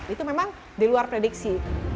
itu memang di luar prediksi